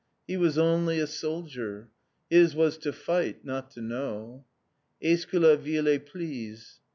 He was only a soldier! His was to fight, not to know. "_Est ce que la ville est prise?